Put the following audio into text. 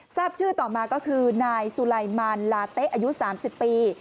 ทราบชื่อต่อมาก็คือนายสุไลมารลาเต๊ะอายุ๓๐ปี